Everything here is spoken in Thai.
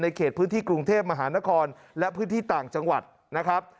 ในเขตพิวเทพมหานครและพิวที่ต่างจังหวัดนะครับ